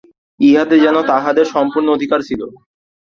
ইহাতে যেন তাঁহাদের সম্পূর্ণ অধিকার ছিল।